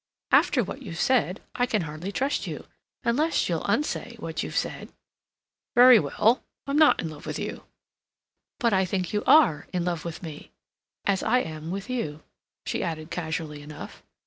"After what you've said, I can hardly trust you—unless you'll unsay what you've said?" "Very well. I'm not in love with you." "But I think you are in love with me.... As I am with you," she added casually enough.